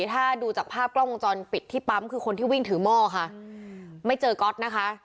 ถ้าดูจากภาพกล้องวงจรปิดที่ปั๊มคือคนที่วิ่งถือหม้อค่ะไม่เจอก๊อตนะคะ